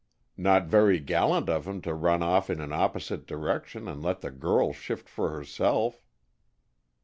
"Not very gallant of him to run off in an opposite direction and let the girl shift for herself."